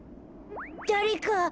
だれか。